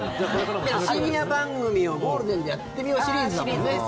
深夜番組をゴールデンでやってみようシリーズだもんね。